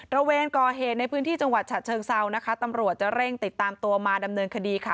ระเวนก่อเหตุในพื้นที่จังหวัดฉะเชิงเซานะคะตำรวจจะเร่งติดตามตัวมาดำเนินคดีค่ะ